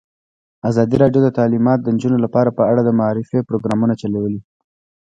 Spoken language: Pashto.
ازادي راډیو د تعلیمات د نجونو لپاره په اړه د معارفې پروګرامونه چلولي.